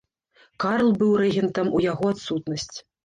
Карл быў рэгентам у яго адсутнасць.